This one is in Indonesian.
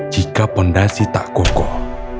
jika fondasi tak kokoh